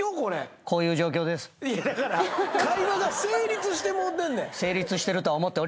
だから会話が成立してもうてんねん。